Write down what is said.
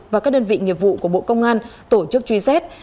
và các đơn vị nghiệp vụ của bộ công an tổ chức truy xét